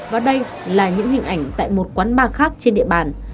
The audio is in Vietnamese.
và đây là những hình ảnh tại một quán bar khác trên địa bàn